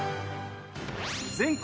全国